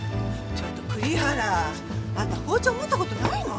ちょっと栗原あんた包丁持った事ないの？